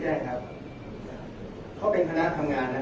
แต่ว่าไม่มีปรากฏว่าถ้าเกิดคนให้ยาที่๓๑